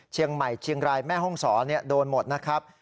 เชียงใหม่เชียงรายแม่ห้องศรโดนหมดนะครับ